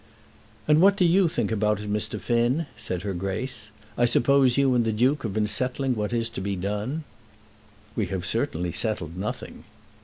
"And what do you think about it, Mr. Finn?" said her Grace. "I suppose you and the Duke have been settling what is to be done." "We have certainly settled nothing."